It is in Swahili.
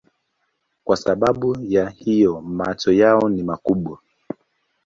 Kwa sababu ya hiyo macho yao ni makubwa.